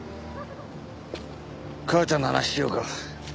母ちゃんの話しようか。